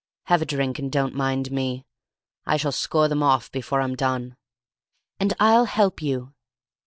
Have a drink, and don't mind me. I shall score them off before I'm done." "And I'll help you!"